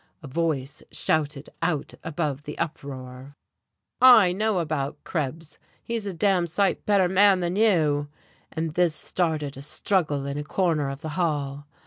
A voice shouted out above the uproar: "I know about Krebs. He's a d d sight better man than you." And this started a struggle in a corner of the hall....